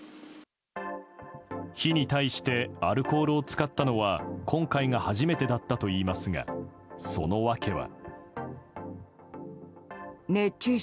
火に対してアルコールを使ったのは今回が初めてだったといいますがその訳は。